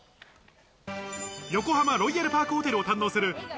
横浜ロイヤルパークホテルを堪能する